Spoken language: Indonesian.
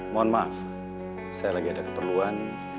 mohon maaf saya lagi ada keperluan